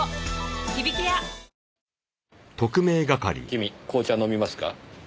君紅茶飲みますか？